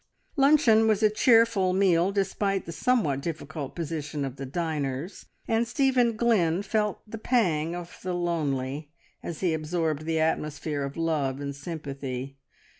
Luncheon was a cheerful meal despite the somewhat difficult position of the diners, and Stephen Glynn felt the pang of the lonely as he absorbed the atmosphere of love and sympathy.